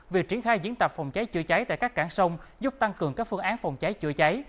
việc triển khai diễn tập phòng cháy chữa cháy tại các cảng sông giúp tăng cường các phương án phòng cháy chữa cháy